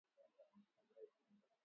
Watoto wakikosa vitamini A huugua surua